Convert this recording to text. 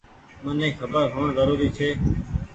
مني کبر هوئڻ زروري ڇي۔